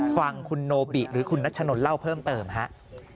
ฟังคุณโนบิหรือคุณนัชนนเล่าเพิ่มเติมฮะ